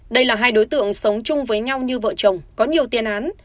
đây là hai đối tượng sống chung với nhau như vợ chồng có nhiều tiền án